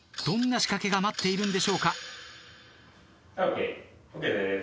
どんな仕掛けが待っているんでしょうか？